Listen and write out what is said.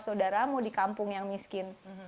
saudaramu di kampung yang miskin